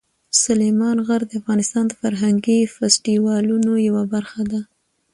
سلیمان غر د افغانستان د فرهنګي فستیوالونو یوه برخه ده.